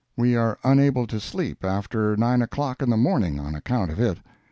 We are unable to sleep after nine o'clock in the morning on account of it.